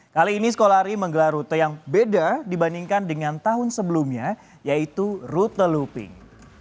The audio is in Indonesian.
kali ini sekolah ri menggelar rute yang beda dibandingkan dengan tahun sebelumnya yaitu rute looping